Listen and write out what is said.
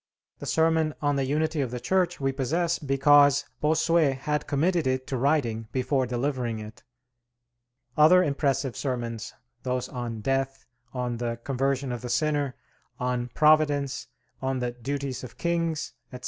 The sermon 'On the Unity of the Church' we possess because Bossuet had committed it to writing before delivering it; other impressive sermons, those on 'Death,' on the 'Conversion of the Sinner,' on 'Providence,' on the 'Duties of Kings,' etc.